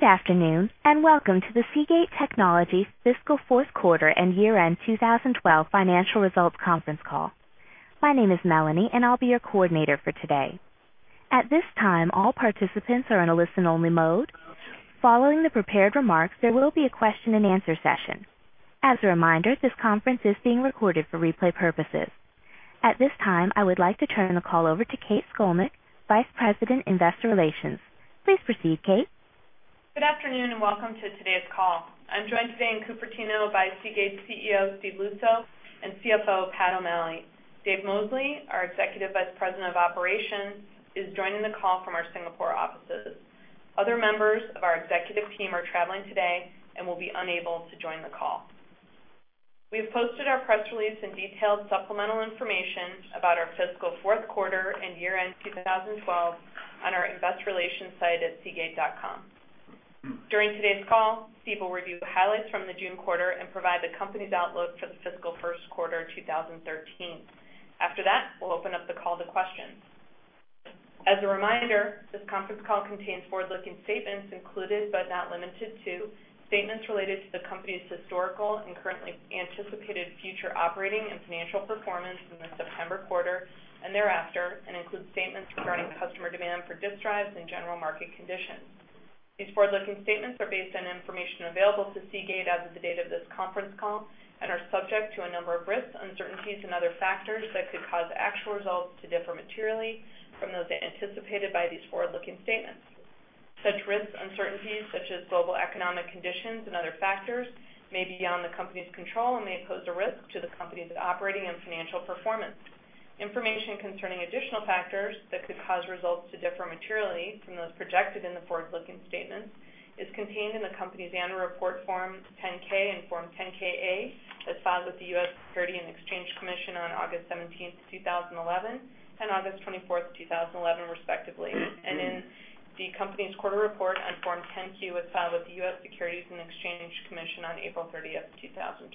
Good afternoon, welcome to the Seagate Technology fiscal fourth quarter and year-end 2012 financial results conference call. My name is Melanie, and I'll be your coordinator for today. At this time, all participants are in a listen-only mode. Following the prepared remarks, there will be a question-and-answer session. As a reminder, this conference is being recorded for replay purposes. At this time, I would like to turn the call over to Kathryn Scolnick, Vice President, Investor Relations. Please proceed, Kate. Good afternoon, welcome to today's call. I'm joined today in Cupertino by Seagate CEO, Steve Luczo, and CFO, Patrick O'Malley. Dave Mosley, our Executive Vice President of Operations, is joining the call from our Singapore offices. Other members of our executive team are traveling today and will be unable to join the call. We've posted our press release and detailed supplemental information about our fiscal fourth quarter and year-end 2012 on our invest relations site at seagate.com. During today's call, Steve will review highlights from the June quarter and provide the company's outlook for the fiscal first quarter 2013. After that, we'll open up the call to questions. As a reminder, this conference call contains forward-looking statements, included but not limited to statements related to the company's historical and currently anticipated future operating and financial performance in the September quarter and thereafter, and includes statements regarding customer demand for disk drives and general market conditions. These forward-looking statements are based on information available to Seagate as of the date of this conference call and are subject to a number of risks, uncertainties, and other factors that could cause actual results to differ materially from those anticipated by these forward-looking statements. Such risks and uncertainties, such as global economic conditions and other factors, may be beyond the company's control and may pose a risk to the company's operating and financial performance. Information concerning additional factors that could cause results to differ materially from those projected in the forward-looking statements is contained in the company's annual report, Form 10-K and Form 10-K/A, as filed with the U.S. Securities and Exchange Commission on August 17th 2011 and August 24th 2011, respectively, and in the company's quarterly report on Form 10-Q, as filed with the U.S. Securities and Exchange Commission on April 30th 2012.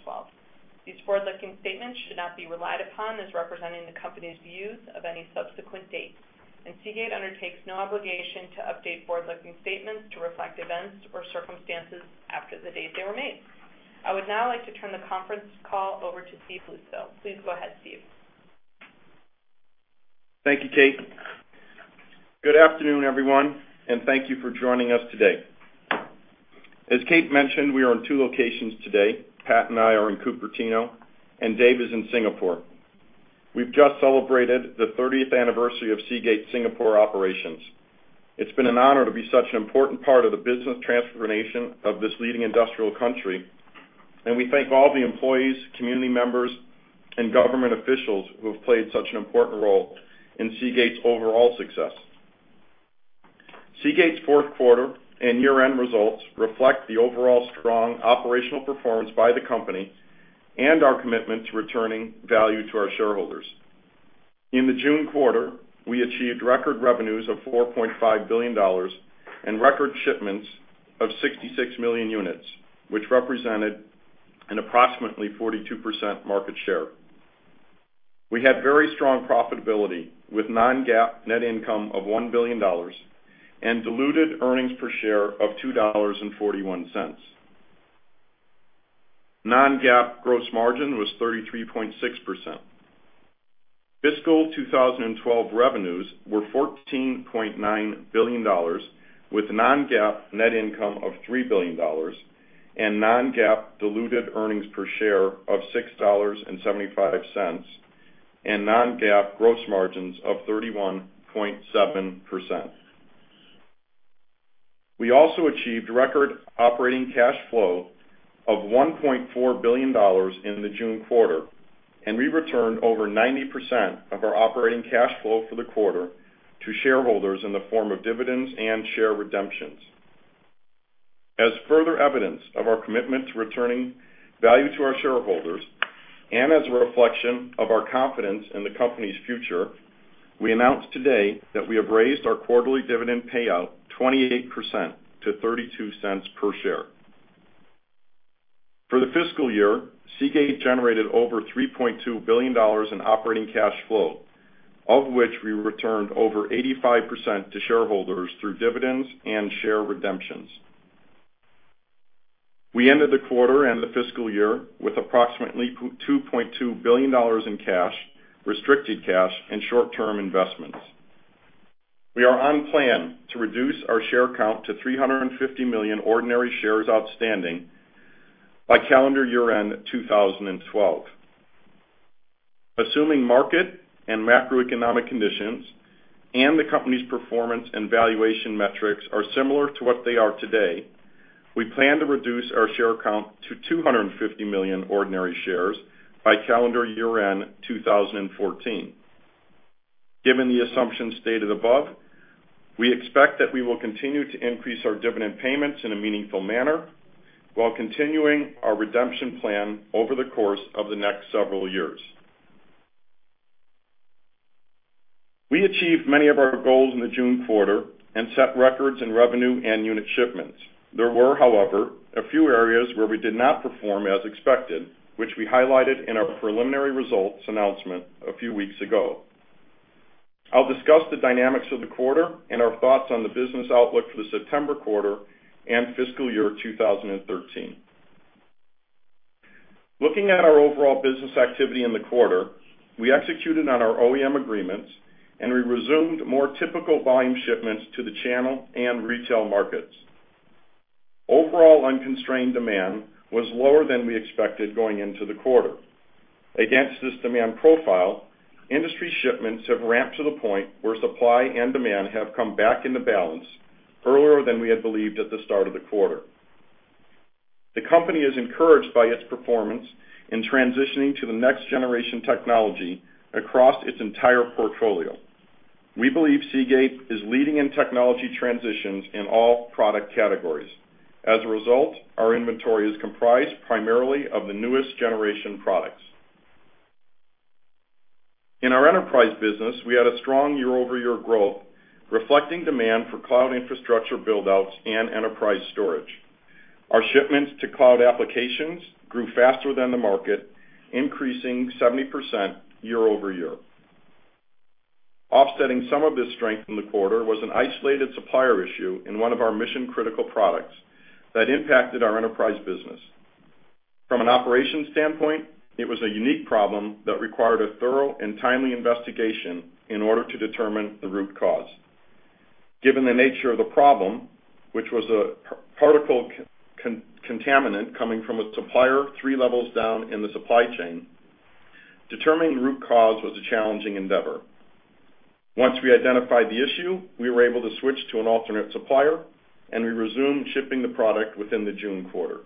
These forward-looking statements should not be relied upon as representing the company's views of any subsequent date, Seagate undertakes no obligation to update forward-looking statements to reflect events or circumstances after the date they were made. I would now like to turn the conference call over to Steve Luczo. Please go ahead, Steve. Thank you, Kate. Good afternoon, everyone, and thank you for joining us today. As Kate mentioned, we are in two locations today. Pat and I are in Cupertino, and Dave is in Singapore. We've just celebrated the 30th anniversary of Seagate Singapore operations. It's been an honor to be such an important part of the business transformation of this leading industrial country, and we thank all the employees, community members, and government officials who have played such an important role in Seagate's overall success. Seagate's fourth quarter and year-end results reflect the overall strong operational performance by the company and our commitment to returning value to our shareholders. In the June quarter, we achieved record revenues of $4.5 billion and record shipments of 66 million units, which represented an approximately 42% market share. We had very strong profitability, with non-GAAP net income of $1 billion and diluted earnings per share of $2.41. Non-GAAP gross margin was 33.6%. Fiscal 2012 revenues were $14.9 billion, with non-GAAP net income of $3 billion and non-GAAP diluted earnings per share of $6.75, and non-GAAP gross margins of 31.7%. We also achieved record operating cash flow of $1.4 billion in the June quarter, and we returned over 90% of our operating cash flow for the quarter to shareholders in the form of dividends and share redemptions. As further evidence of our commitment to returning value to our shareholders, and as a reflection of our confidence in the company's future, we announce today that we have raised our quarterly dividend payout 28% to $0.32 per share. For the fiscal year, Seagate generated over $3.2 billion in operating cash flow, of which we returned over 85% to shareholders through dividends and share redemptions. We ended the quarter and the fiscal year with approximately $2.2 billion in cash, restricted cash, and short-term investments. We are on plan to reduce our share count to 350 million ordinary shares outstanding by calendar year-end 2012. Assuming market and macroeconomic conditions and the company's performance and valuation metrics are similar to what they are today, we plan to reduce our share count to 250 million ordinary shares by calendar year-end 2014. Given the assumptions stated above, we expect that we will continue to increase our dividend payments in a meaningful manner while continuing our redemption plan over the course of the next several years. We achieved many of our goals in the June quarter and set records in revenue and unit shipments. There were, however, a few areas where we did not perform as expected, which we highlighted in our preliminary results announcement a few weeks ago. I'll discuss the dynamics of the quarter and our thoughts on the business outlook for the September quarter and fiscal year 2013. Looking at our overall business activity in the quarter, we executed on our OEM agreements, and we resumed more typical volume shipments to the channel and retail markets. Overall unconstrained demand was lower than we expected going into the quarter. Against this demand profile, industry shipments have ramped to the point where supply and demand have come back into balance earlier than we had believed at the start of the quarter. The company is encouraged by its performance in transitioning to the next-generation technology across its entire portfolio. We believe Seagate is leading in technology transitions in all product categories. As a result, our inventory is comprised primarily of the newest generation products. In our enterprise business, we had a strong year-over-year growth reflecting demand for cloud infrastructure build-outs and enterprise storage. Our shipments to cloud applications grew faster than the market, increasing 70% year over year. Offsetting some of this strength in the quarter was an isolated supplier issue in one of our mission-critical products that impacted our enterprise business. From an operations standpoint, it was a unique problem that required a thorough and timely investigation in order to determine the root cause. Given the nature of the problem, which was a particle contaminant coming from a supplier 3 levels down in the supply chain, determining the root cause was a challenging endeavor. Once we identified the issue, we were able to switch to an alternate supplier, and we resumed shipping the product within the June quarter.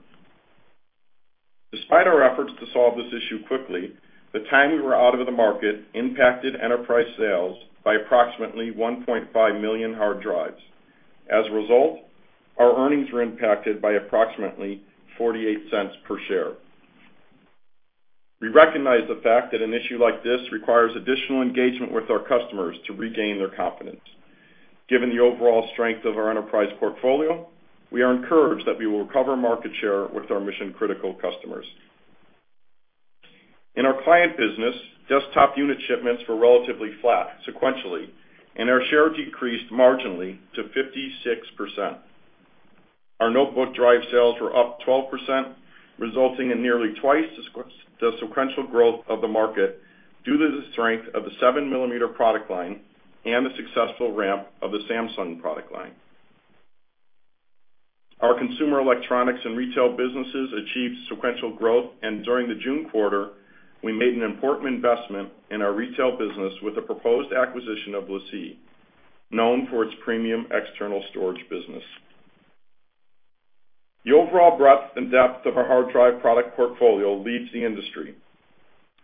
Despite our efforts to solve this issue quickly, the time we were out of the market impacted enterprise sales by approximately 1.5 million hard drives. As a result, our earnings were impacted by approximately $0.48 per share. We recognize the fact that an issue like this requires additional engagement with our customers to regain their confidence. Given the overall strength of our enterprise portfolio, we are encouraged that we will recover market share with our mission-critical customers. In our client business, desktop unit shipments were relatively flat sequentially, and our share decreased marginally to 56%. Our notebook drive sales were up 12%, resulting in nearly twice the sequential growth of the market due to the strength of the seven-millimeter product line and the successful ramp of the Samsung product line. Our consumer electronics and retail businesses achieved sequential growth, and during the June quarter, we made an important investment in our retail business with the proposed acquisition of LaCie, known for its premium external storage business. The overall breadth and depth of our hard drive product portfolio leads the industry,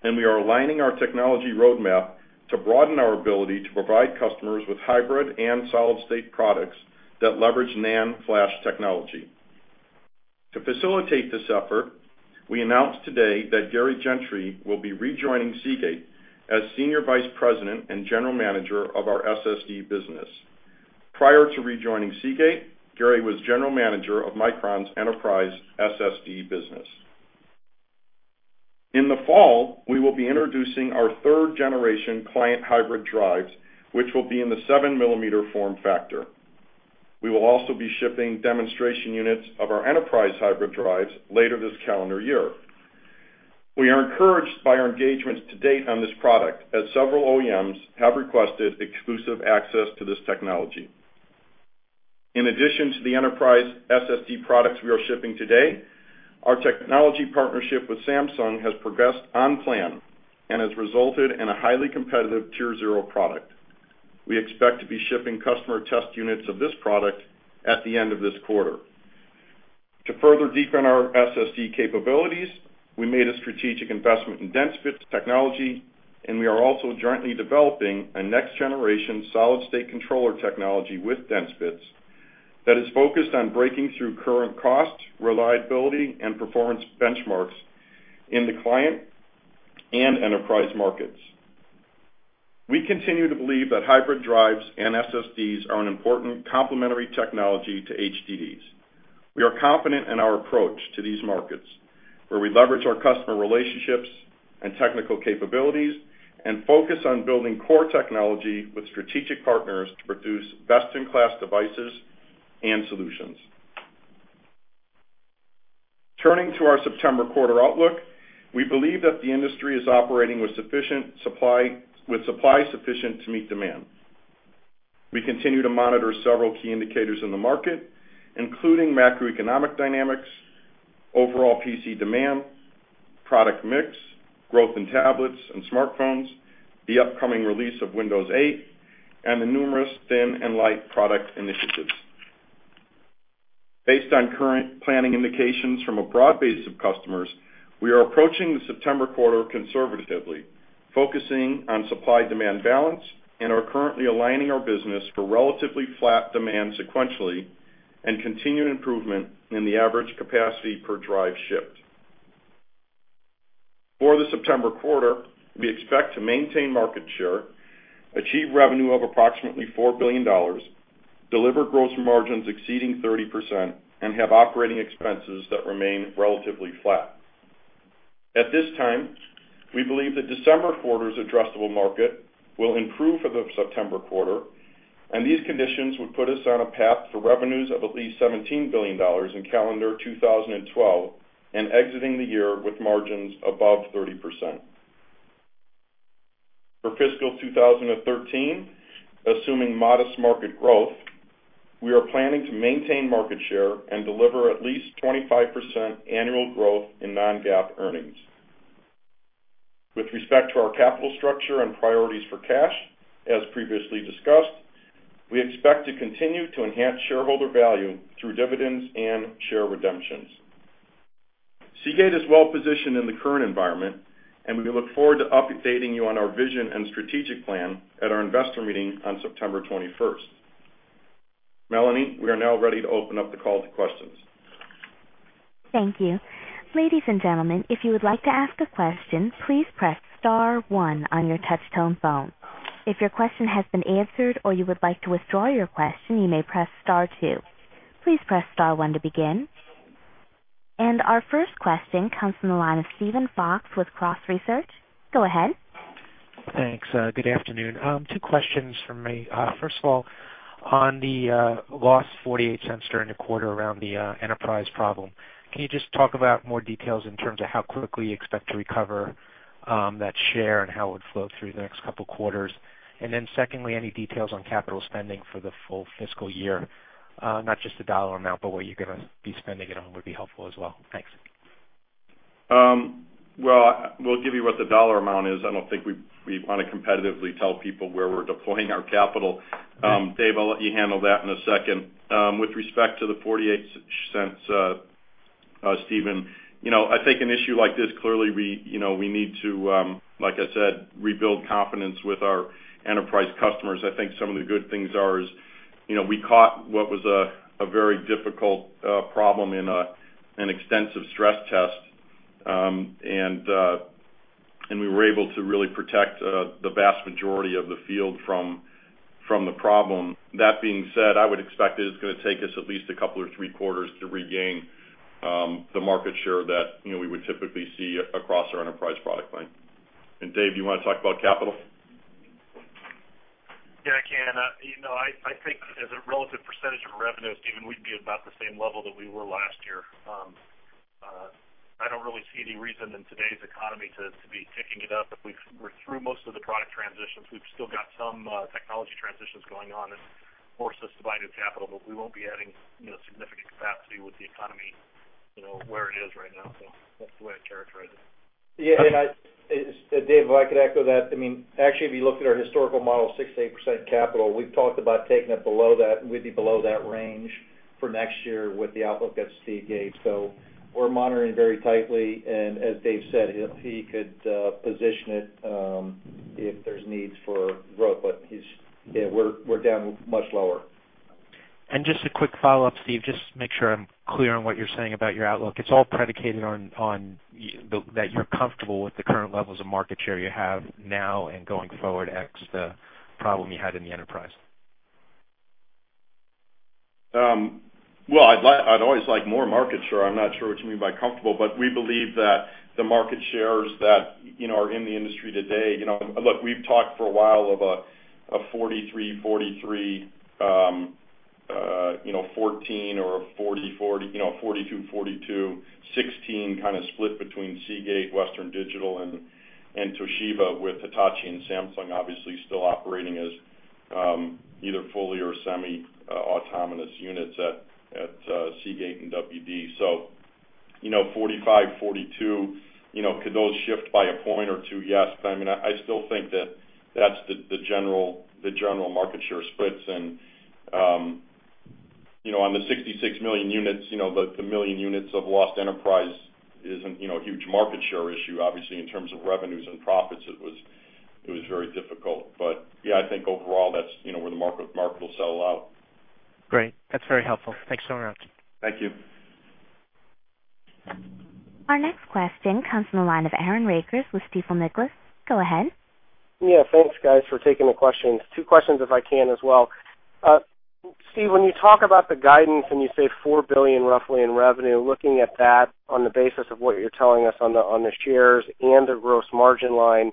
and we are aligning our technology roadmap to broaden our ability to provide customers with hybrid and solid-state products that leverage NAND flash technology. To facilitate this effort, we announced today that Gary Gentry will be rejoining Seagate as Senior Vice President and General Manager of our SSD business. Prior to rejoining Seagate, Gary was General Manager of Micron's enterprise SSD business. In the fall, we will be introducing our third-generation client hybrid drives, which will be in the seven-millimeter form factor. We will also be shipping demonstration units of our enterprise hybrid drives later this calendar year. We are encouraged by our engagements to date on this product, as several OEMs have requested exclusive access to this technology. In addition to the enterprise SSD products we are shipping today, our technology partnership with Samsung has progressed on plan and has resulted in a highly competitive Tier 0 product. We expect to be shipping customer test units of this product at the end of this quarter. To further deepen our SSD capabilities, we made a strategic investment in DensBits Technology, and we are also jointly developing a next-generation solid-state controller technology with DensBits that is focused on breaking through current cost, reliability, and performance benchmarks in the client and enterprise markets. We continue to believe that hybrid drives and SSDs are an important complementary technology to HDDs. We are confident in our approach to these markets, where we leverage our customer relationships and technical capabilities and focus on building core technology with strategic partners to produce best-in-class devices and solutions. Turning to our September quarter outlook, we believe that the industry is operating with supply sufficient to meet demand. We continue to monitor several key indicators in the market, including macroeconomic dynamics, overall PC demand, product mix, growth in tablets and smartphones, the upcoming release of Windows 8, and the numerous thin and light product initiatives. Based on current planning indications from a broad base of customers, we are approaching the September quarter conservatively, focusing on supply-demand balance, and are currently aligning our business for relatively flat demand sequentially and continued improvement in the average capacity per drive shipped. For the September quarter, we expect to maintain market share, achieve revenue of approximately $4 billion, deliver gross margins exceeding 30%, and have operating expenses that remain relatively flat. At this time, we believe that December quarter's addressable market will improve for the September quarter. These conditions would put us on a path for revenues of at least $17 billion in calendar 2012 and exiting the year with margins above 30%. For fiscal 2013, assuming modest market growth, we are planning to maintain market share and deliver at least 25% annual growth in non-GAAP earnings. With respect to our capital structure and priorities for cash, as previously discussed, we expect to continue to enhance shareholder value through dividends and share redemptions. Seagate is well-positioned in the current environment. We look forward to updating you on our vision and strategic plan at our investor meeting on September 21st. Melanie, we are now ready to open up the call to questions. Thank you. Ladies and gentlemen, if you would like to ask a question, please press *1 on your touch-tone phone. If your question has been answered or you would like to withdraw your question, you may press *2. Please press *1 to begin. Our first question comes from the line of Steven Fox with Cross Research. Go ahead. Thanks. Good afternoon. Two questions from me. First of all, on the lost $0.48 during the quarter around the enterprise problem, can you just talk about more details in terms of how quickly you expect to recover that share and how it would flow through the next couple of quarters? Secondly, any details on capital spending for the full fiscal year? Not just the dollar amount, but what you're going to be spending it on would be helpful as well. Thanks. Well, we'll give you what the dollar amount is. I don't think we want to competitively tell people where we're deploying our capital. Dave, I'll let you handle that in a second. With respect to the $0.48, Steven, I think an issue like this, clearly, we need to, like I said, rebuild confidence with our enterprise customers. I think some of the good things are is, we caught what was a very difficult problem in an extensive stress test, and we were able to really protect the vast majority of the field from the problem. That being said, I would expect that it's going to take us at least a couple or three quarters to regain the market share that we would typically see across our enterprise product line. Dave, you want to talk about capital? Yeah, I can. I think as a relative percentage of revenue, Steven, we'd be about the same level that we were last year. I don't really see any reason in today's economy to be ticking it up. We're through most of the product transitions. We've still got some technology transitions going on that force us to buy new capital, but we won't be adding significant capacity with the economy where it is right now. That's the way I'd characterize it. Yeah, Dave, if I could echo that. Actually, if you look at our historical model of 6%-8% capital, we've talked about taking it below that, and we'd be below that range for next year with the outlook at Seagate. We're monitoring very tightly, and as Dave said, he could position it if there's needs for growth, but we're down much lower. Just a quick follow-up, Steve, just to make sure I'm clear on what you're saying about your outlook. It's all predicated on that you're comfortable with the current levels of market share you have now and going forward, X the problem you had in the enterprise. Well, I'd always like more market share. I'm not sure what you mean by comfortable, but we believe that the market shares that are in the industry today. Look, we've talked for a while of a 43/43/14 or a 42/42/16 kind of split between Seagate, Western Digital, and Toshiba, with Hitachi and Samsung obviously still operating as either fully or semi-autonomous units at Seagate and WD. 45/42, could those shift by a point or two? Yes. I still think that that's the general market share splits. On the 66 million units, the million units of lost enterprise isn't a huge market share issue. Obviously, in terms of revenues and profits, it was very difficult. Yeah, I think overall, that's where the market will settle out. Great. That's very helpful. Thanks so much. Thank you. Our next question comes from the line of Aaron Rakers with Stifel Nicolaus. Go ahead. Yeah, thanks guys, for taking the questions. Two questions if I can as well. Steve, when you talk about the guidance and you say $4 billion roughly in revenue, looking at that on the basis of what you're telling us on the shares and the gross margin line,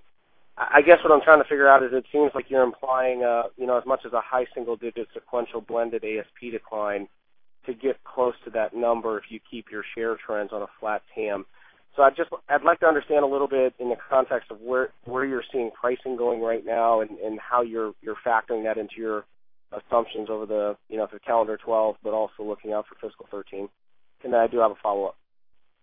I guess what I'm trying to figure out is it seems like you're implying as much as a high single-digit sequential blended ASP decline to get close to that number if you keep your share trends on a flat TAM. I'd like to understand a little bit in the context of where you're seeing pricing going right now and how you're factoring that into your assumptions over the calendar 2012, but also looking out for fiscal 2013. I do have a follow-up.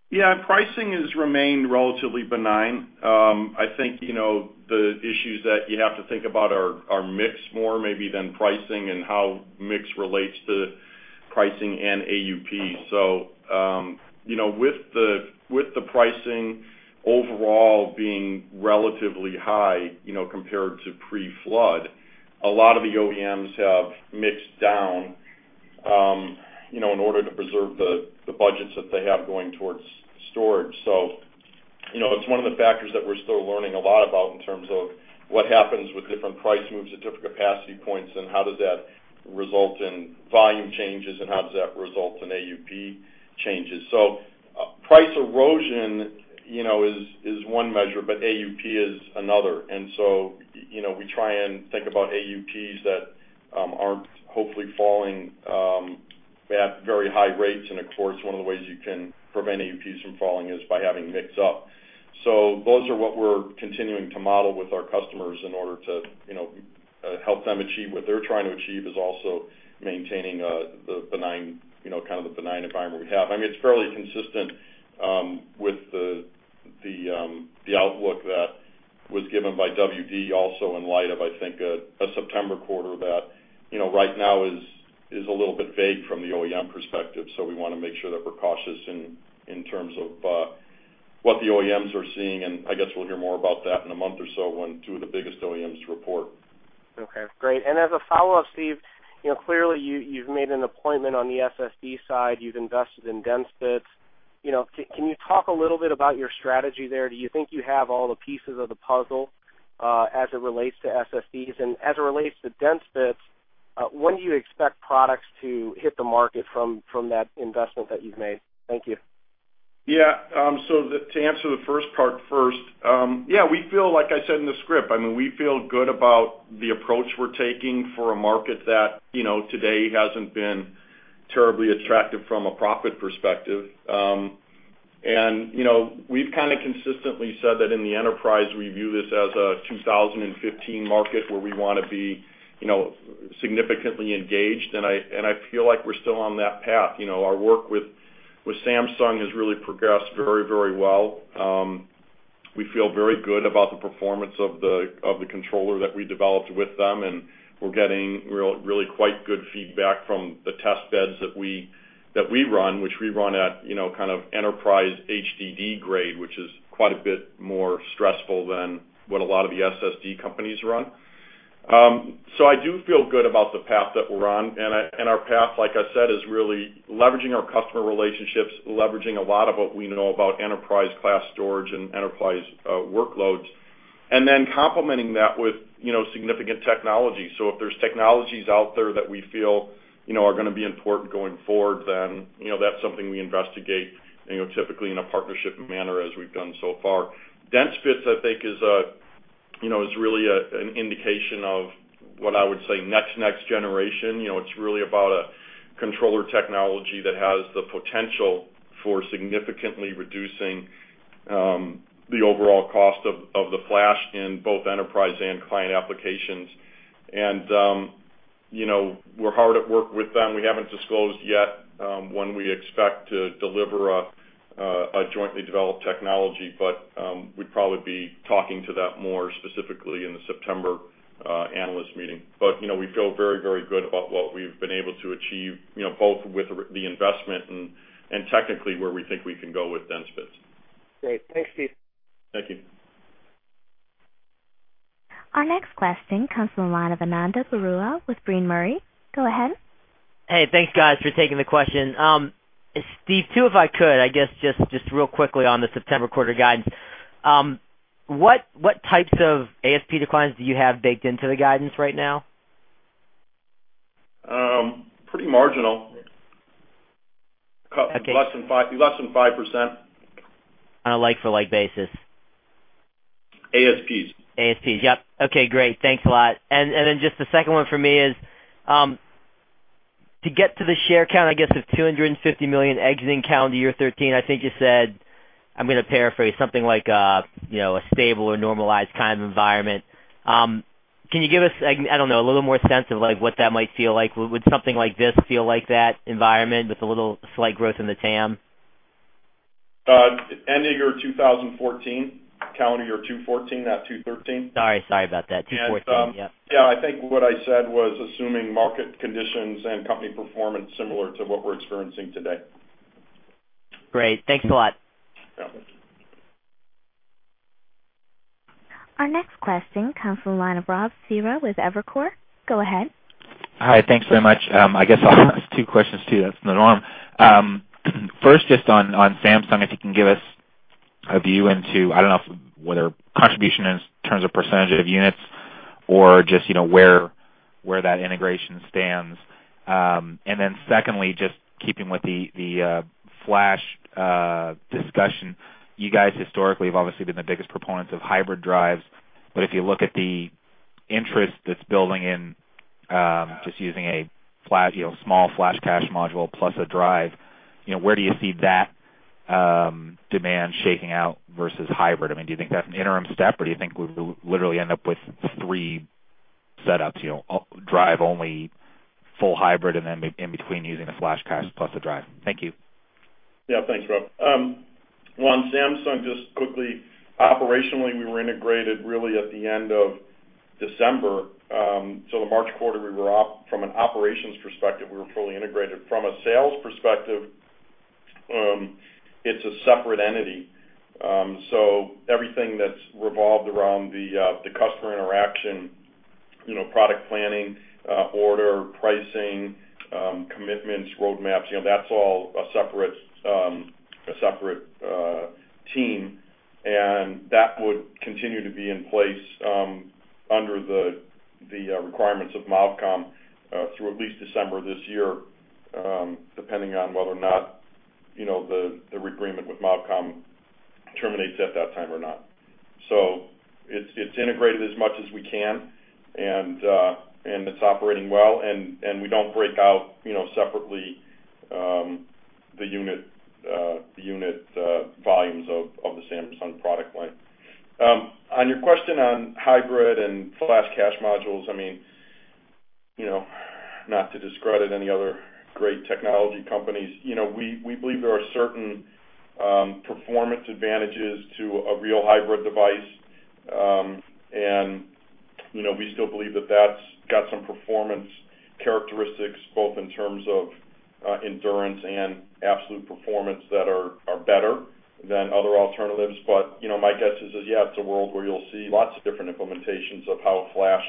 Yeah, pricing has remained relatively benign. I think the issues that you have to think about are mix more maybe than pricing and how mix relates to pricing and AUP. With the pricing overall being relatively high compared to pre-flood, a lot of the OEMs have mixed down in order to preserve the budgets that they have going towards storage. It's one of the factors that we're still learning a lot about in terms of what happens with different price moves at different capacity points, and how does that result in volume changes, and how does that result in AUP changes. Price erosion is one measure, but AUP is another. We try and think about AUPs that aren't hopefully falling at very high rates. Of course, one of the ways you can prevent AUPs from falling is by having mix-up. Those are what we're continuing to model with our customers in order to help them achieve what they're trying to achieve, is also maintaining the kind of benign environment we have. It's fairly consistent with the outlook that was given by WD also in light of, I think, a September quarter that right now is a little bit vague from the OEM perspective. We want to make sure that we're cautious in terms of what the OEMs are seeing, and I guess we'll hear more about that in a month or so when two of the biggest OEMs report. Okay, great. As a follow-up, Steve, clearly you've made an appointment on the SSD side. You've invested in DensBits. Can you talk a little bit about your strategy there? Do you think you have all the pieces of the puzzle as it relates to SSDs? As it relates to DensBits, when do you expect products to hit the market from that investment that you've made? Thank you. Yeah. To answer the first part first, yeah, we feel, like I said in the script, we feel good about the approach we're taking for a market that today hasn't been terribly attractive from a profit perspective. We've kind of consistently said that in the enterprise, we view this as a 2015 market where we want to be significantly engaged, and I feel like we're still on that path. Our work with Samsung has really progressed very well. We feel very good about the performance of the controller that we developed with them, and we're getting really quite good feedback from the test beds that we run, which we run at enterprise HDD grade, which is quite a bit more stressful than what a lot of the SSD companies run. I do feel good about the path that we're on, and our path, like I said, is really leveraging our customer relationships, leveraging a lot of what we know about enterprise-class storage and enterprise workloads, and then complementing that with significant technology. If there's technologies out there that we feel are going to be important going forward, that's something we investigate, typically in a partnership manner as we've done so far. DensBits, I think, is really an indication of what I would say next generation. It's really about a controller technology that has the potential for significantly reducing the overall cost of the flash in both enterprise and client applications. We're hard at work with them. We haven't disclosed yet when we expect to deliver a jointly developed technology, but we'd probably be talking to that more specifically in the September analyst meeting. We feel very good about what we've been able to achieve, both with the investment and technically where we think we can go with DensBits. Great. Thanks, Steve. Thank you. Our next question comes from the line of Ananda Baruah with Brean Murray. Go ahead. Hey, thanks guys for taking the question. Steve, too, if I could, I guess just real quickly on the September quarter guidance, what types of ASP declines do you have baked into the guidance right now? Pretty marginal. Okay. Less than 5%. On a like for like basis. ASPs. ASPs. Yep. Okay, great. Thanks a lot. Then just the second one for me is, to get to the share count, I guess, of $250 million exiting calendar year 2013, I think you said, I'm going to paraphrase, something like a stable or normalized kind of environment. Can you give us, I don't know, a little more sense of what that might feel like? Would something like this feel like that environment with a little slight growth in the TAM? End of year 2014, calendar year 2014, not 2013. Sorry about that. 2014. Yep. Yeah. I think what I said was assuming market conditions and company performance similar to what we're experiencing today. Great. Thanks a lot. Yeah. Our next question comes from the line of Rob Cihra with Evercore. Go ahead. Hi. Thanks very much. I guess I'll ask two questions, too. That's the norm. First, just on Samsung, if you can give us a view into, I don't know, whether contribution in terms of percentage of units or just where that integration stands. Then secondly, just keeping with the flash discussion, you guys historically have obviously been the biggest proponents of hybrid drives, but if you look at the interest that's building in just using a small flash cache module plus a drive, where do you see that demand shaking out versus hybrid? Do you think that's an interim step, or do you think we'll literally end up with three setups, drive only, full hybrid, and then in between using a flash cache plus a drive? Thank you. Yeah. Thanks, Rob. On Samsung, just quickly, operationally, we were integrated really at the end of December. The March quarter, from an operations perspective, we were fully integrated. From a sales perspective, it's a separate entity. Everything that's revolved around the customer interaction, product planning, order, pricing, commitments, roadmaps, that's all a separate team, and that would continue to be in place under the requirements of MOFCOM through at least December this year, depending on whether or not the agreement with MOFCOM terminates at that time or not. It's integrated as much as we can, and it's operating well. We don't break out separately the unit volumes of the Samsung product line. On your question on hybrid and flash cache modules, not to discredit any other great technology companies, we believe there are certain performance advantages to a real hybrid device. We still believe that that's got some performance characteristics, both in terms of endurance and absolute performance that are better than other alternatives. My guess is, yeah, it's a world where you'll see lots of different implementations of how flash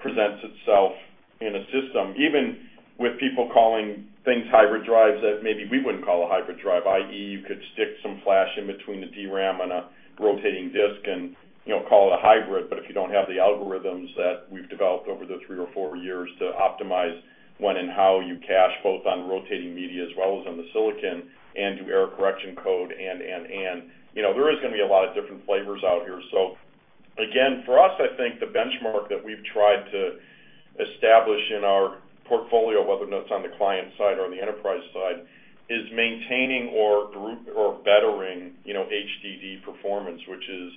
presents itself in a system. Even with people calling things hybrid drives that maybe we wouldn't call a hybrid drive, i.e., you could stick some flash in between the DRAM on a rotating disk and call it a hybrid. If you don't have the algorithms that we've developed over the three or four years to optimize when and how you cache, both on rotating media as well as on the silicon and do error correction code. There is going to be a lot of different flavors out here. Again, for us, I think the benchmark that we've tried to establish in our portfolio, whether or not it's on the client side or on the enterprise side, is maintaining or bettering HDD performance, which is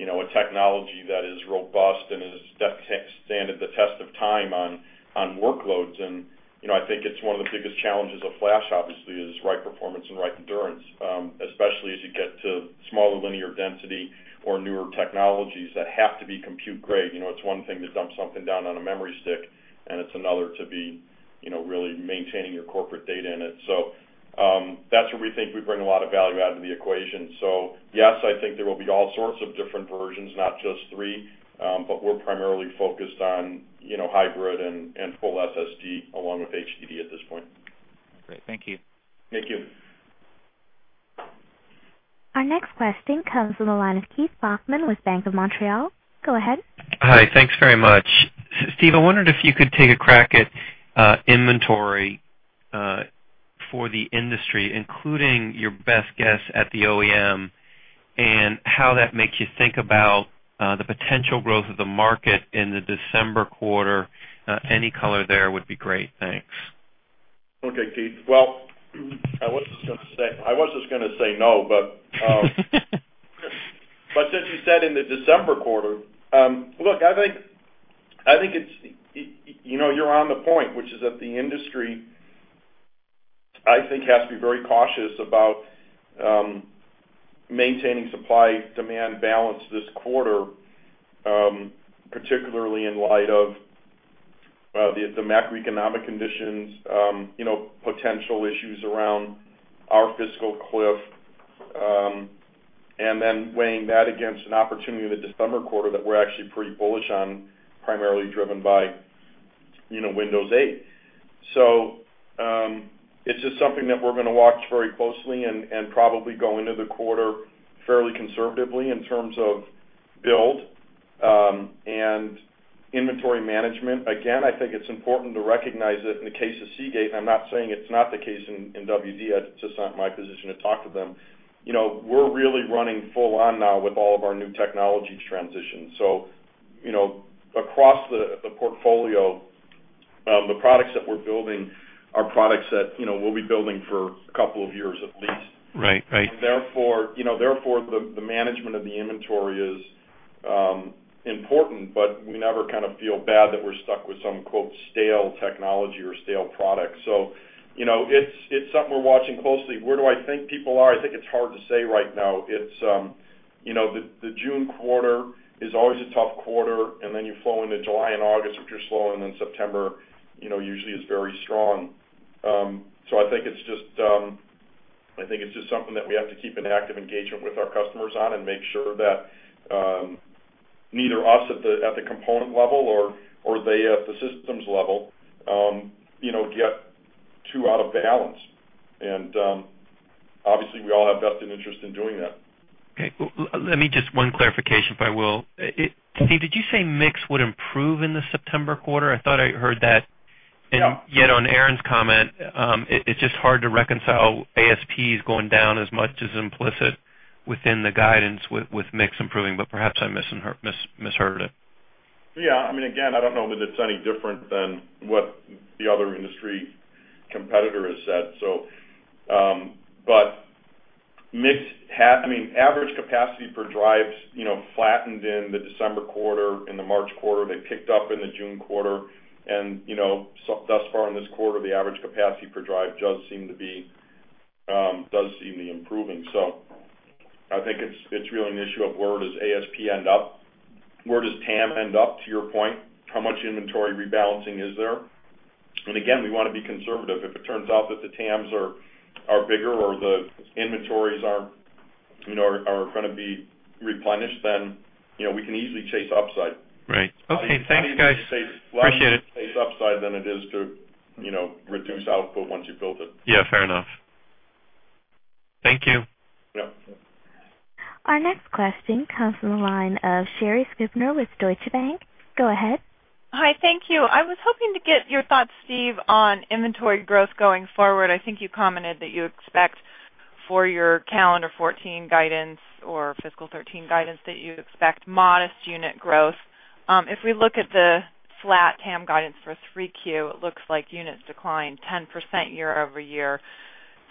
a technology that is robust and has stood the test of time on workloads. I think it's one of the biggest challenges of flash, obviously, is write performance and write endurance, especially as you get to smaller linear density or newer technologies that have to be compute grade. It's one thing to dump something down on a memory stick, and it's another to be really maintaining your corporate data in it. That's where we think we bring a lot of value add to the equation. Yes, I think there will be all sorts of different versions, not just three, but we're primarily focused on hybrid and full SSD along with HDD at this point. Great. Thank you. Thank you. Our next question comes from the line of Keith Bachman with Bank of Montreal. Go ahead. Hi. Thanks very much. Steve, I wondered if you could take a crack at inventory for the industry, including your best guess at the OEM, and how that makes you think about the potential growth of the market in the December quarter. Any color there would be great. Thanks. Okay, Keith. Well, I was just going to say no. Since you said in the December quarter, Look, I think you're on the point, which is that the industry, I think, has to be very cautious about maintaining supply-demand balance this quarter, particularly in light of the macroeconomic conditions, potential issues around our fiscal cliff, and then weighing that against an opportunity in the December quarter that we're actually pretty bullish on, primarily driven by Windows 8. It's just something that we're going to watch very closely and probably go into the quarter fairly conservatively in terms of build and inventory management. I think it's important to recognize that in the case of Seagate, I'm not saying it's not the case in WD, it's just not my position to talk to them. We're really running full on now with all of our new technology transitions. Across the portfolio, the products that we're building are products that we'll be building for a couple of years at least. Right. Therefore, the management of the inventory is important, but we never kind of feel bad that we're stuck with some "stale technology" or stale product. It's something we're watching closely. Where do I think people are? I think it's hard to say right now. The June quarter is always a tough quarter, then you flow into July and August, which are slow, then September usually is very strong. I think it's just something that we have to keep an active engagement with our customers on and make sure that neither us at the component level or they at the systems level get too out of balance. Obviously, we all have vested interest in doing that. Okay. Let me just, one clarification, if I will. Steve, did you say mix would improve in the September quarter? I thought I heard that. Yeah Yet on Aaron's comment, it's just hard to reconcile ASPs going down as much as implicit within the guidance with mix improving, perhaps I misheard it. Yeah. Again, I don't know that it's any different than what the other industry competitor has said. Average capacity per drives flattened in the December quarter, in the March quarter. They picked up in the June quarter. Thus far in this quarter, the average capacity per drive does seem to be improving. I think it's really an issue of where does ASP end up? Where does TAM end up? To your point, how much inventory rebalancing is there? Again, we want to be conservative. If it turns out that the TAMs are bigger or the inventories are going to be replenished, we can easily chase upside. Right. Okay, thanks guys. Appreciate it. Easier to chase upside than it is to reduce output once you've built it. Yeah, fair enough. Thank you. Yeah. Our next question comes from the line of Sherri Scribner with Deutsche Bank. Go ahead. Hi, thank you. I was hoping to get your thoughts, Steve, on inventory growth going forward. I think you commented that you expect for your calendar 2014 guidance or fiscal 2013 guidance that you expect modest unit growth. If we look at the flat TAM guidance for 3Q, it looks like units declined 10% year-over-year.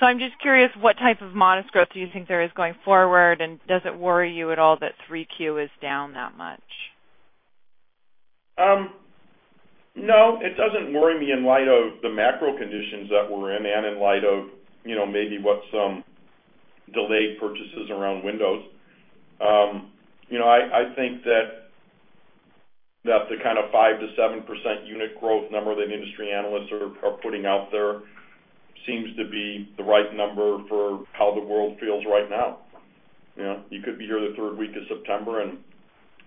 I'm just curious what type of modest growth do you think there is going forward, and does it worry you at all that 3Q is down that much? No, it doesn't worry me in light of the macro conditions that we're in and in light of maybe what some delayed purchases around Windows. I think that the kind of 5%-7% unit growth number that industry analysts are putting out there seems to be the right number for how the world feels right now. You could be here the third week of September and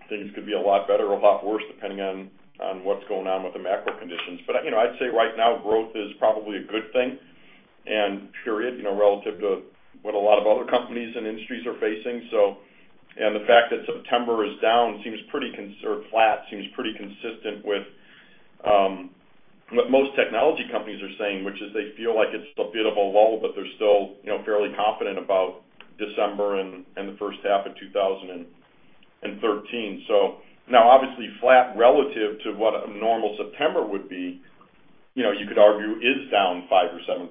things could be a lot better or a lot worse depending on what's going on with the macro conditions. I'd say right now growth is probably a good thing, period, relative to what a lot of other companies and industries are facing. The fact that September is down or flat seems pretty consistent with what most technology companies are saying, which is they feel like it's a bit of a lull, but they're still fairly confident about December and the first half of 2013. Now obviously flat relative to what a normal September would be, you could argue is down 5% or 7%,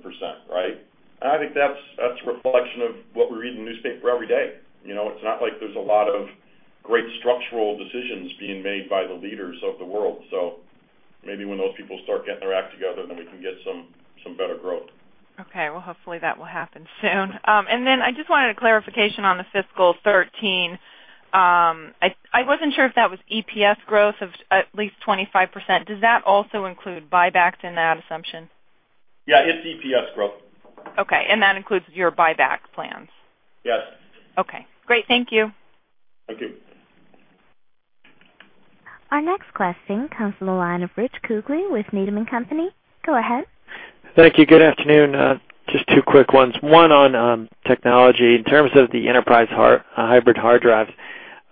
right? I think that's a reflection of what we read in the newspaper every day. It's not like there's a lot of great structural decisions being made by the leaders of the world. Maybe when those people start getting their act together, then we can get some better growth. Okay. Well, hopefully that will happen soon. Then I just wanted a clarification on the fiscal 2013. I wasn't sure if that was EPS growth of at least 25%. Does that also include buybacks in that assumption? Yeah, it's EPS growth. Okay. That includes your buyback plans? Yes. Okay, great. Thank you. Thank you. Our next question comes from the line of Rich Kugele with Needham & Company. Go ahead. Thank you. Good afternoon. Just two quick ones. One on technology. In terms of the enterprise hybrid hard drives,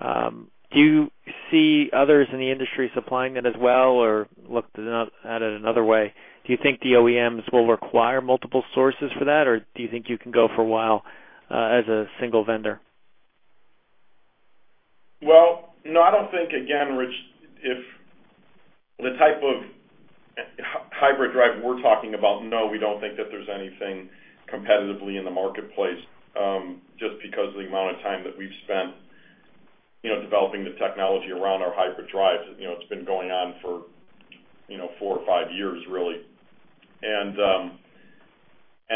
do you see others in the industry supplying that as well? Looked at it another way, do you think the OEMs will require multiple sources for that, or do you think you can go for a while as a single vendor? Well, no, I don't think again, Rich, if the type of hybrid drive we're talking about, no, we don't think that there's anything competitively in the marketplace, just because of the amount of time that we've spent developing the technology around our hybrid drives. It's been going on for four or five years, really.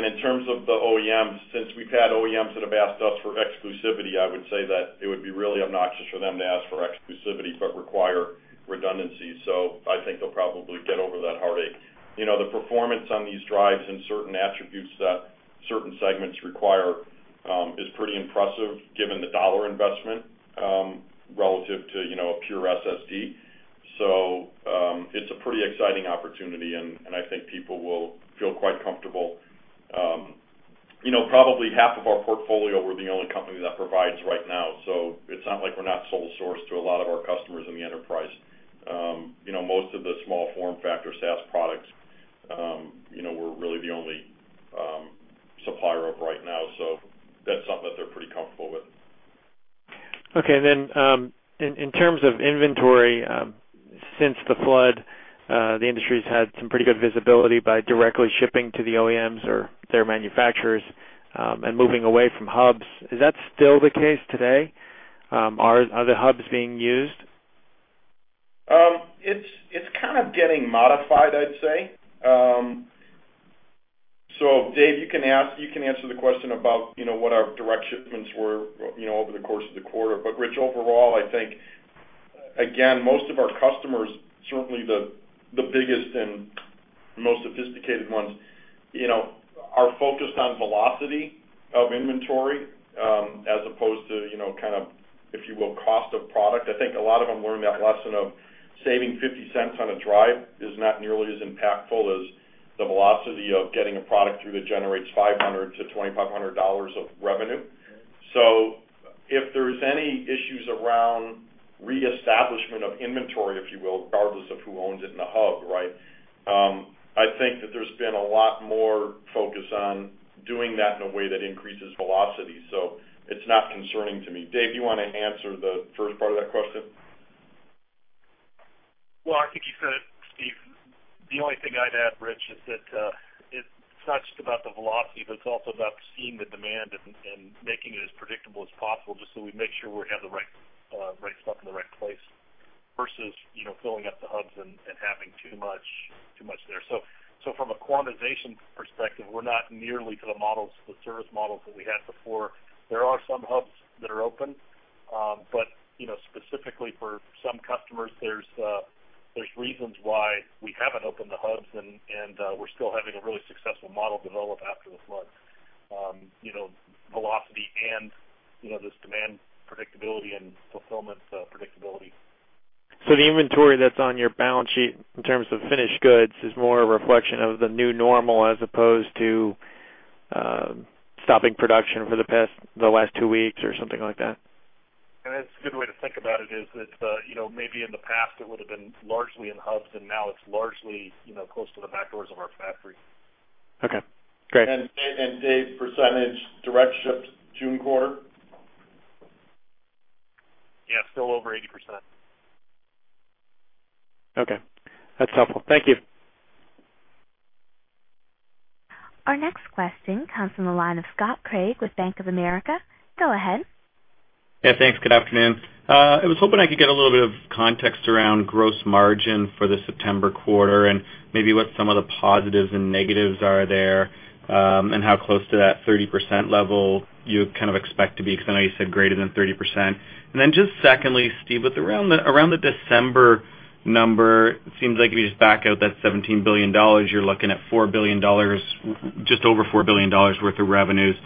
In terms of the OEMs, since we've had OEMs that have asked us for exclusivity, I would say that it would be really obnoxious for them to ask for exclusivity but require redundancy. I think they'll probably get over that heartache. The performance on these drives and certain attributes that certain segments require is pretty impressive given the dollar investment relative to a pure SSD. It's a pretty exciting opportunity, and I think people will feel quite comfortable. Probably half of our portfolio, we're the only company that provides right now. It's not like we're not sole source to a lot of our customers in the enterprise. Most of the small form factor SAS products we're really the only supplier of right now. That's something that they're pretty comfortable with. Then in terms of inventory, since the flood, the industry's had some pretty good visibility by directly shipping to the OEMs or their manufacturers, and moving away from hubs. Is that still the case today? Are the hubs being used? It's kind of getting modified, I'd say. Dave, you can answer the question about what our direct shipments were over the course of the quarter. Rich, overall, I think, again, most of our customers, certainly the biggest and most sophisticated ones, are focused on velocity of inventory, as opposed to, if you will, cost of product. I think a lot of them learned that lesson of saving $0.50 on a drive is not nearly as impactful as the velocity of getting a product through that generates $500 to $2,500 of revenue. If there's any issues around reestablishment of inventory, if you will, regardless of who owns it in the hub, I think that there's been a lot more focus on doing that in a way that increases velocity. It's not concerning to me. Dave, do you want to answer the first part of that question? Well, I think you said it, Steve. The only thing I'd add, Rich, is that it's not just about the velocity, but it's also about seeing the demand and making it as predictable as possible just so we make sure we have the right stuff in the right place versus filling up the hubs and having too much there. From a quantitation perspective, we're not nearly to the service models that we had before. There are some hubs that are open. Specifically for some customers, there's reasons why we haven't opened the hubs, and we're still having a really successful model develop after the floods. Velocity and this demand predictability and fulfillment predictability. The inventory that's on your balance sheet in terms of finished goods is more a reflection of the new normal as opposed to stopping production for the last two weeks or something like that? That's a good way to think about it, is that maybe in the past it would've been largely in hubs and now it's largely close to the back doors of our factory. Okay, great. Dave, percentage direct shipped June quarter? Yeah, still over 80%. Okay, that's helpful. Thank you. Our next question comes from the line of Scott Craig with Bank of America. Go ahead. Yeah, thanks. Good afternoon. I was hoping I could get a little bit of context around gross margin for the September quarter, and maybe what some of the positives and negatives are there, and how close to that 30% level you kind of expect to be, because I know you said greater than 30%. Then just secondly, Steve, with around the December number, it seems like if you just back out that $17 billion, you're looking at just over $4 billion worth of revenues.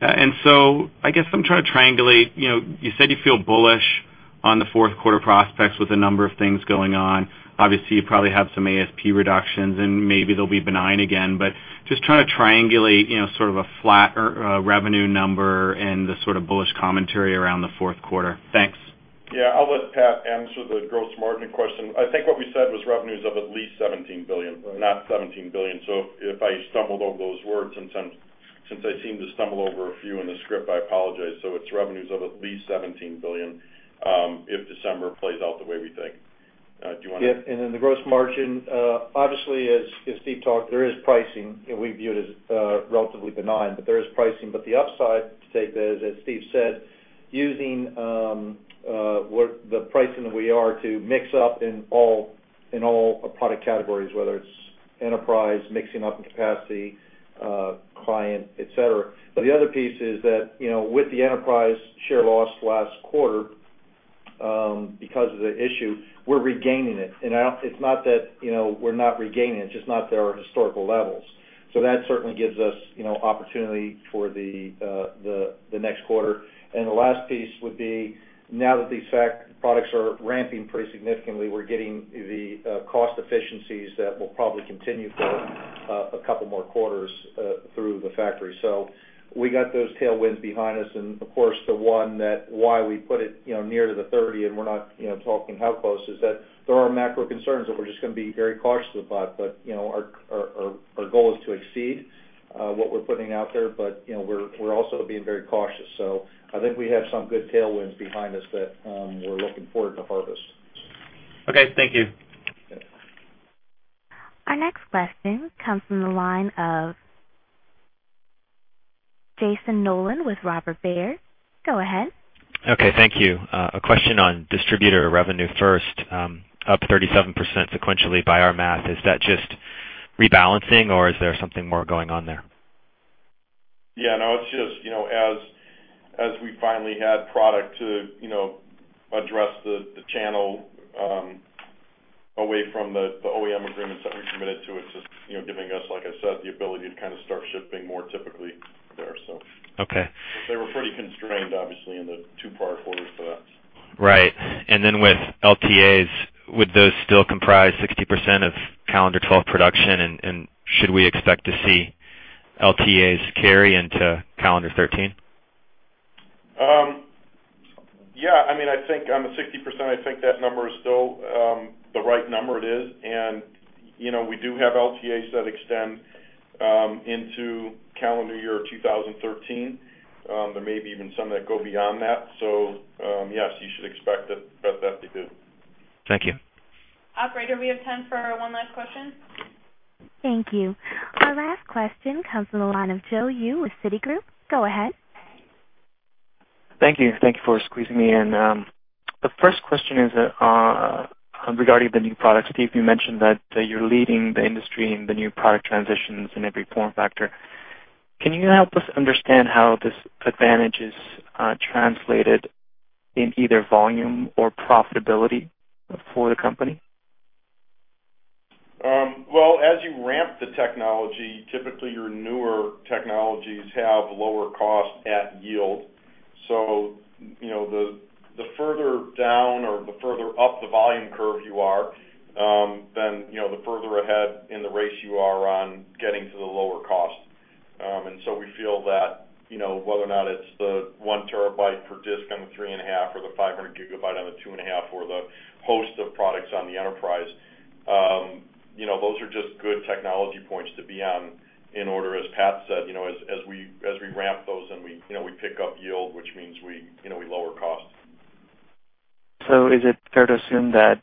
So I guess I'm trying to triangulate, you said you feel bullish on the fourth quarter prospects with a number of things going on. Obviously, you probably have some ASP reductions and maybe they'll be benign again, but just trying to triangulate sort of a flat revenue number and the sort of bullish commentary around the fourth quarter. Thanks. Yeah. I'll let Pat answer the gross margin question. I think what we said was revenues of at least $17 billion, not $17 billion. If I stumbled over those words, since I seem to stumble over a few in the script, I apologize. It's revenues of at least $17 billion, if December plays out the way we think. Do you want to- Yeah. The gross margin, obviously as Steve talked, there is pricing, and we view it as relatively benign, but there is pricing. The upside to take there is, as Steve said, using the pricing that we are to mix up in all product categories, whether it's enterprise, mixing up in capacity, client, et cetera. The other piece is that, with the enterprise share loss last quarter, because of the issue, we're regaining it. It's not that we're not regaining, it's just not at our historical levels. That certainly gives us opportunity for the next quarter. The last piece would be, now that these fact products are ramping pretty significantly, we're getting the cost efficiencies that will probably continue for a couple more quarters through the factory. We got those tailwinds behind us, and of course, the one that why we put it near to the 30 and we're not talking how close is that there are macro concerns that we're just going to be very cautious about. Our goal is to exceed what we're putting out there, but we're also being very cautious. I think we have some good tailwinds behind us that we're looking forward to harvest. Okay. Thank you. Our next question comes from the line of Jayson Noland with Robert W. Baird & Co. Go ahead. Okay, thank you. A question on distributor revenue first, up 37% sequentially by our math. Is that just rebalancing or is there something more going on there? Yeah, no, it's just as we finally had product to address the channel away from the OEM agreements that we committed to, it's just giving us, like I said, the ability to kind of start shipping more typically there, so. Okay. They were pretty constrained, obviously, in the two prior quarters to that. Right. With LTAs, would those still comprise 60% of calendar 2012 production, should we expect to see LTAs carry into calendar 2013? Yes. On the 60%, I think that number is still the right number it is. We do have LTAs that extend into calendar year 2013. There may be even some that go beyond that. Yes, you should expect that they do. Thank you. Operator, we have time for one last question. Thank you. Our last question comes from the line of Joe Yoo with Citigroup. Go ahead. Thank you. Thank you for squeezing me in. The first question is regarding the new products. Steve, you mentioned that you're leading the industry in the new product transitions in every form factor. Can you help us understand how this advantage is translated in either volume or profitability for the company? As you ramp the technology, typically your newer technologies have lower cost at yield. The further down or the further up the volume curve you are, then the further ahead in the race you are on getting to the lower cost. We feel that, whether or not it's the one terabyte per disk on the three and a half or the 500 gigabyte on the two and a half or the host of products on the enterprise, those are just good technology points to be on in order, as Pat said, as we ramp those and we pick up yield, which means we lower cost. Is it fair to assume that,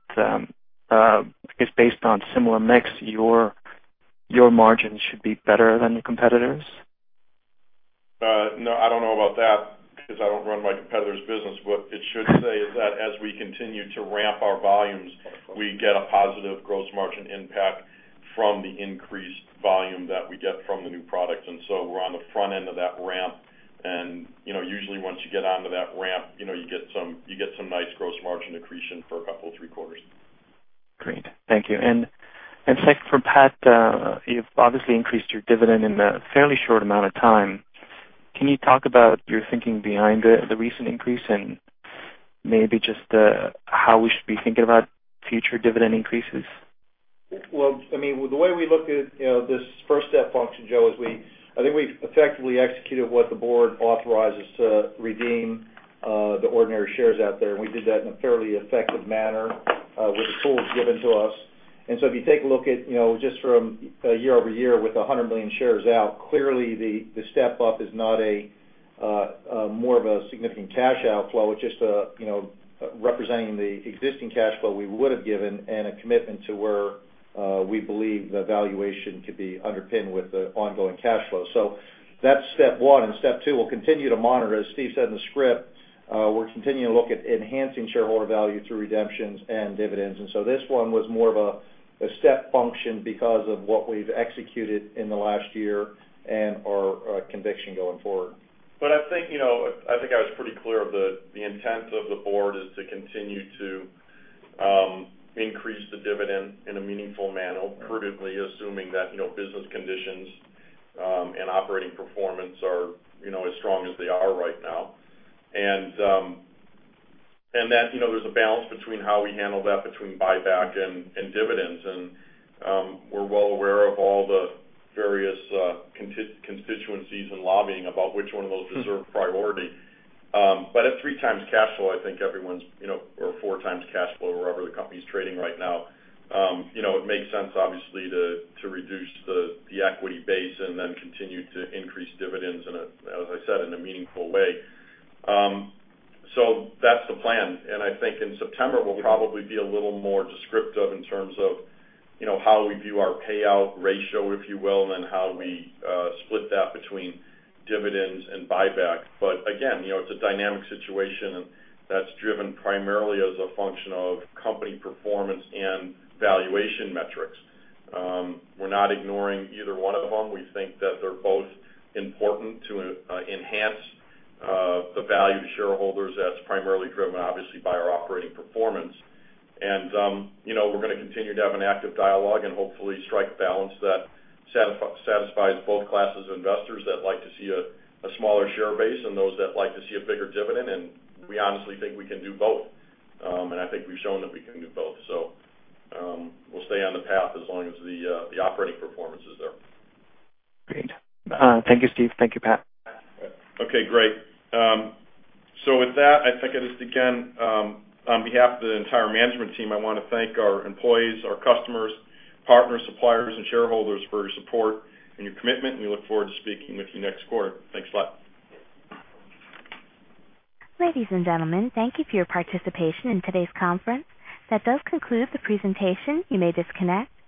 if based on similar mix, your margin should be better than the competitors? No, I don't know about that because I don't run my competitor's business. What it should say is that as we continue to ramp our volumes, we get a positive gross margin impact from the increased volume that we get from the new product. We're on the front end of that ramp. Usually once you get onto that ramp, you get some nice gross margin accretion for a couple, three quarters. Great. Thank you. Second for Pat, you've obviously increased your dividend in a fairly short amount of time. Can you talk about your thinking behind the recent increase and maybe just how we should be thinking about future dividend increases? The way we look at this first step function, Joe, is I think we've effectively executed what the board authorized us to redeem the ordinary shares out there, and we did that in a fairly effective manner with the tools given to us. If you take a look at just from a year-over-year with 100 million shares out, clearly the step-up is not more of a significant cash outflow. It's just representing the existing cash flow we would've given and a commitment to where we believe the valuation could be underpinned with the ongoing cash flow. That's step 1. Step 2, we'll continue to monitor. As Steve said in the script, we're continuing to look at enhancing shareholder value through redemptions and dividends. This one was more of a step function because of what we've executed in the last year and our conviction going forward. I think I was pretty clear of the intent of the board is to continue to increase the dividend in a meaningful manner, prudently assuming that business conditions and operating performance are as strong as they are right now. That there's a balance between how we handle that between buyback and dividends. We're well aware of all the various constituencies and lobbying about which one of those deserve priority. At three times cash flow or four times cash flow or wherever the company's trading right now, it makes sense, obviously, to reduce the equity base and then continue to increase dividends in, as I said, in a meaningful way. That's the plan. I think in September, we'll probably be a little more descriptive in terms of how we view our payout ratio, if you will, then how we split that between dividends and buyback. Again, it's a dynamic situation, that's driven primarily as a function of company performance and valuation metrics. We're not ignoring either one of them. We think that they're both important to enhance the value to shareholders. That's primarily driven, obviously, by our operating performance. We're going to continue to have an active dialogue and hopefully strike a balance that satisfies both classes of investors that like to see a smaller share base and those that like to see a bigger dividend, we honestly think we can do both. I think we've shown that we can do both. We'll stay on the path as long as the operating performance is there. Great. Thank you, Steve. Thank you, Pat. With that, I think I'll just begin. On behalf of the entire management team, I want to thank our employees, our customers, partners, suppliers, and shareholders for your support and your commitment, and we look forward to speaking with you next quarter. Thanks a lot. Ladies and gentlemen, thank you for your participation in today's conference. That does conclude the presentation. You may disconnect.